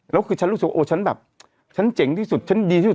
แล้วคือฉันรู้สึกว่าโอ้ฉันแบบฉันเจ๋งที่สุดฉันดีที่สุด